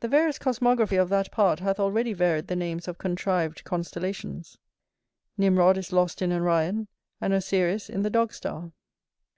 The various cosmography of that part hath already varied the names of contrived constellations; Nimrod is lost in Orion, and Osyris in the Dog star.